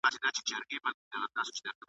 نه سلمان وم نه په برخه مي خواري وه .